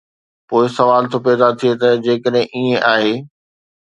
پوءِ سوال ٿو پيدا ٿئي ته جيڪڏهن ائين آهي.